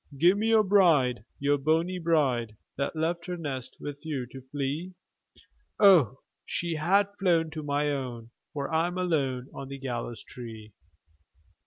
"Give me your bride, your bonnie bride, That left her nest with you to flee! O, she hath flown to be my own, For I'm alone on the gallows tree!"